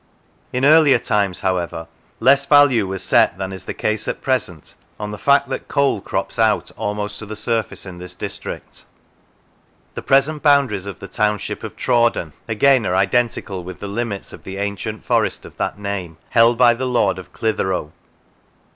In earlier times, however, less value was set than is the case at present on the fact that coal crops out almost to the surface in this district. The present boundaries of the township of Traw den, again, are identical with the limits of the ancient forest of that name, held by the lord ofClitheroe.